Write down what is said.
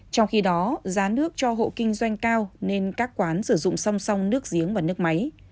trong khi đó giá nước cho hộ kinh doanh cao nên các quán sử dụng song song nước giếng và nước máy